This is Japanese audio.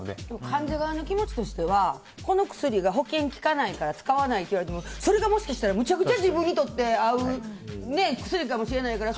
患者側の気持ちとしてはこの薬、保険が使えないとしてもそれがもしかしたらむちゃくちゃ自分にとって合う薬かもしれないから。